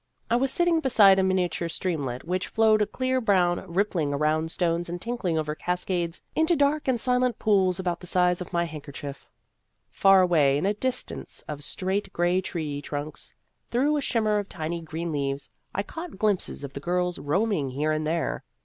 I was sitting beside a miniature streamlet which flowed clear brown, rippling around stones and tinkling over cascades into dark and silent pools about the size of my handker chief. Far away in a distance of straight gray tree trunks, through a shimmer of tiny green leaves, I caught glimpses of the girls roaming here and there.